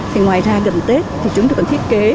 thì ngoài ra gần tết thì chúng tôi còn thiết kế